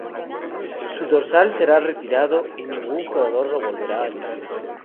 Su dorsal será retirado, y ningún jugador lo volverá a lucir.